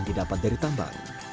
mereka mendapat dari tambang